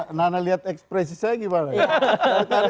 kalau nana lihat ekspresi saya gimana